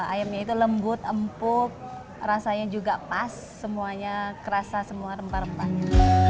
ayamnya itu lembut empuk rasanya juga pas semuanya kerasa semua rempah rempahnya